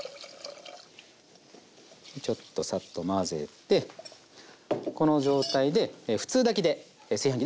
ちょっとサッと混ぜてこの状態で普通炊きで炊飯器で炊いていきます。